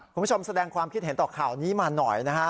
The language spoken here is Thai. คุณผู้ชมแสดงความคิดเห็นต่อข่าวนี้มาหน่อยนะฮะ